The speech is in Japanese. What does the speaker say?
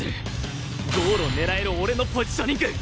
ゴールを狙える俺のポジショニング！